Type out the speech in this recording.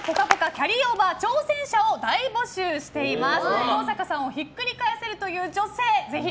キャリーオーバー挑戦者を大募集しています。